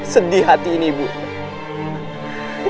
sedih hati ini ibu nda